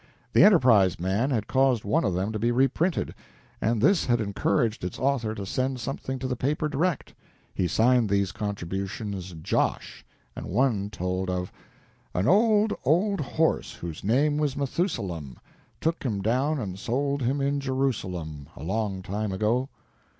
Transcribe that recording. The "Enterprise" man had caused one of them to be reprinted, and this had encouraged its author to send something to the paper direct. He signed these contributions "Josh," and one told of: "An old, old horse whose name was Methusalem, Took him down and sold him in Jerusalem, A long time ago."